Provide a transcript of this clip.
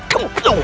ketika dia menangis